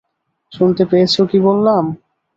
শুনতে পেয়েছো কি বললাম?